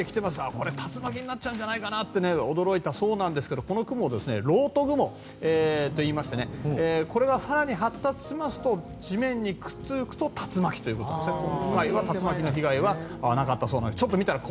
これ、竜巻になっちゃうんじゃないかなと驚いたそうですがこの雲はろうと雲といってこれが更に発達して地面にくっつくと竜巻ということで竜巻の被害はなかったそうです。